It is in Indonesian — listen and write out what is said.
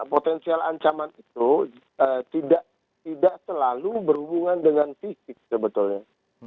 potensial ancaman itu tidak selalu berhubungan dengan fisik sebetulnya